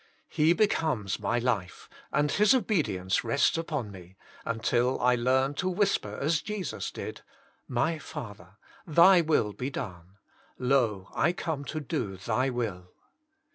He be comes my life and His obedience rests upon me, until I learn to whisper as Jesus did, '< My Father, Thy will be done; lo, I come to do Thy will."